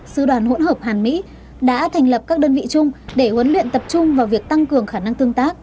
sư đoàn hỗn hợp hàn mỹ đã thành lập các đơn vị chung để huấn luyện tập trung vào việc tăng cường khả năng tương tác